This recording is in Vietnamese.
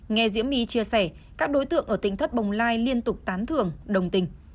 nghe diễm my chia sẻ các đối tượng ở tỉnh thất bồng lai liên tục tán thường đồng tình